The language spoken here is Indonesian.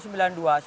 yang berapa anaknya